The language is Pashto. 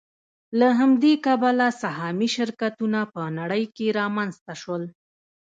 له همدې کبله سهامي شرکتونه په نړۍ کې رامنځته شول